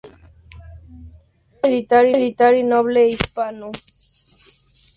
Fue un militar y noble hispano-peruano, combatiente realista durante la guerra de independencia.